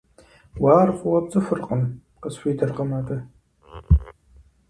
— Уэ ар фӀыуэ пцӀыхуркъым, — къысхуидэркъым абы.